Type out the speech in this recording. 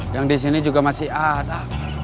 yang di sini juga masih ada